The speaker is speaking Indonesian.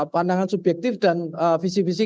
pandangan subjektif dan visi visi